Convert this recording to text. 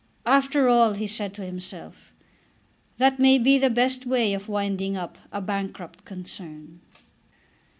"After all," said he to himself, "that may be the best way of winding up a bankrupt concern."